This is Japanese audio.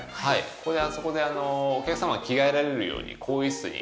これはあそこでお客様が着替えられるように更衣室に。